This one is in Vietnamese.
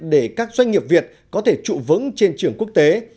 để các doanh nghiệp việt có thể trụ vững trên trường quốc tế